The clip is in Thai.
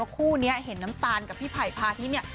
คู่นี้เห็นน้ำตาลกับพี่ไผ่พาทิศเนี่ย